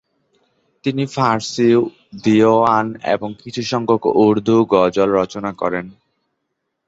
তিনি ফারসি দীউয়ান এবং কিছুসংখ্যক উর্দু গজল রচনা করেন।